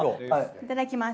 いただきます。